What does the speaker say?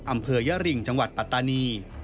อำเภอยริงจังหวัดปัตตานี